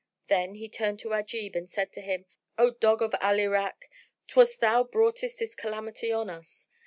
Then he turned to Ajib and said to him, "O dog of Al Irak, 'twas thou broughtest this calamity on us!